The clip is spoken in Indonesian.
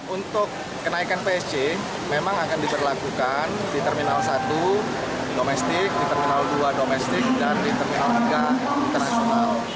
untuk kenaikan psc memang akan diberlakukan di terminal satu domestik di terminal dua domestik dan di terminal tiga internasional